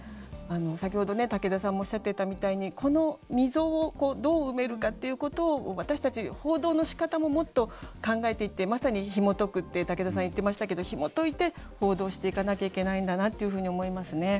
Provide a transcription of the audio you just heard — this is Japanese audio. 先ほどね武田さんもおっしゃってたみたいにこの溝をどう埋めるかっていうことを私たち報道のしかたももっと考えていってまさに「ひもとく」って武田さん言ってましたけどひもといて報道していかなきゃいけないんだなっていうふうに思いますね。